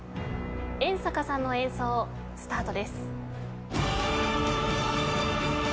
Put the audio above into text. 遠坂さんの演奏スタートです。